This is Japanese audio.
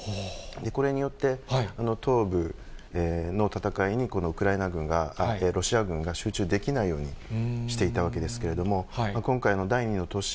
これによって、東部の戦いにロシア軍が集中できないようにしていたわけなんですけれども、今回の第２の都市